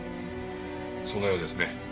そのようですね。